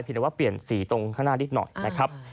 แต่ว่าเปลี่ยนสีตรงข้างหน้านิดหน่อยนะครับ